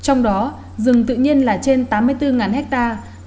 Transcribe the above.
trong đó rừng tự nhiên là trên tám mươi bốn hectare